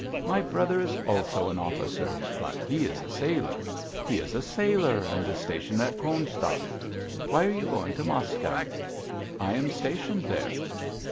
My brother is also an officer, but he is a sailor. He is a sailor and is stationed at Kronstadt. Why are you going to Moscow?" "I am stationed there."